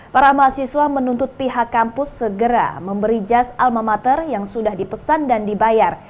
para mahasiswa menuntut pihak kampus segera memberi jas alma mater yang sudah dipesan dan dibayar